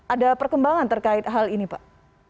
ada apa apa penambangan terkait hal ini pak